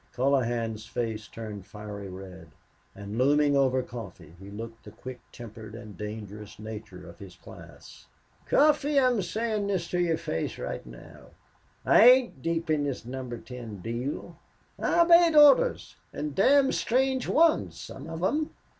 Colohan's face turned fiery red, and, looming over Coffee, he looked the quick tempered and dangerous nature of his class. "Coffee, I'm sayin' this to your face right now. I ain't deep in this Number Ten deal.... I obeyed orders an' damn strange ones, some of them."